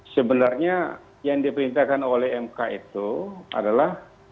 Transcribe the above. sebenarnya yang diperintahkan oleh mk itu adalah